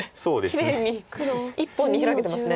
きれいに一本にヒラけてますね。